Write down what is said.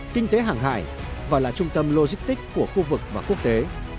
kinh tế hàng hải và là trung tâm logistic của khu vực và quốc tế